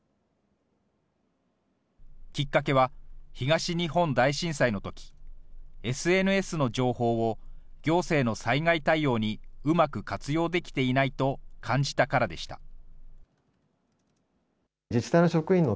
きっかけは東日本大震災のとき、ＳＮＳの情報を行政の災害対応にうまく活用できていないと感じたからでした。